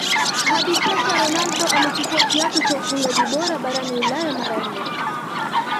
Hadi sasa Ronaldo amechukua kiatu cha ufungaji bora barani ulaya mara nne